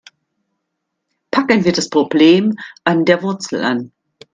Packen wir das Problem an der Wurzel an.